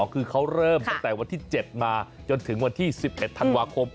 คือเขาเริ่มตั้งแต่วันที่๗มาจนถึงวันที่๑๑ธันวาคม